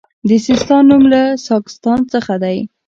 د سیستان نوم له ساکستان څخه دی